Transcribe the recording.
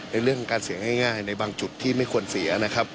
ในเรื่องของการเสียง่ายในบางจุดที่ไม่ควรเสียนะครับ